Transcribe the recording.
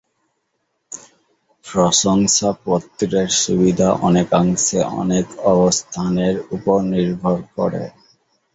প্রশংসাপত্রের সুবিধা অনেকাংশে তার অবস্থানের উপর নির্ভর করে।